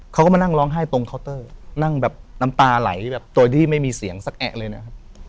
เขาก็มานั่งร้องไห้ตรงเคาน์เตอร์นั่งแบบน้ำตาไหลแบบโดยที่ไม่มีเสียงสักแอะเลยนะครับ